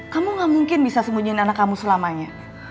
kamu gak mungkin bisa sembunyiin anak kamu selamanya